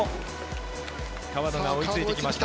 川野が追いついてきました。